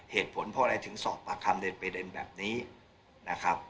เหตุผลเพราะอะไรถึงสอบปากคามเล็ยนไปแบบนี้นะครับ